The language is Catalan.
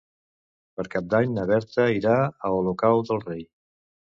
Per Cap d'Any na Berta irà a Olocau del Rei.